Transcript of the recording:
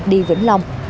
đi vĩnh long